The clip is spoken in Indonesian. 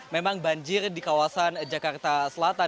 memang banjir di kawasan jakarta selatan